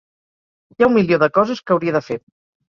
Hi ha un milió de coses que hauria de fer.